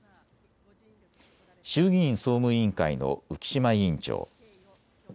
衆議院総務委員会の浮島委員長。